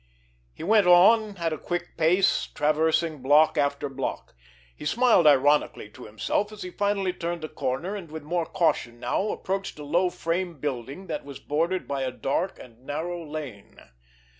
He went on at a quick pace, traversing block after block. He smiled ironically to himself, as he finally turned a corner, and with more caution now, approached a low frame building that was bordered by a dark and narrow lane.